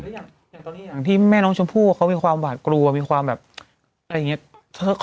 อย่างที่แม่น้องชมพู่เขามีความหวาดกลัวมีความแบบอะไรอย่างนี้